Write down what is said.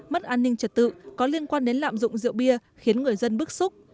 mất an ninh trật tự có liên quan đến lạm dụng rượu bia khiến người dân bức xúc